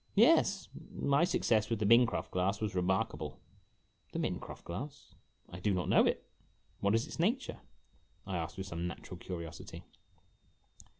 "Yes. My success with the Mincroft glass was remarkable." "The Mincroft glass, ! do not know it, what is its nature?" I asked, with some natural curiosity.